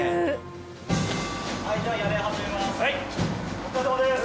お疲れさまです。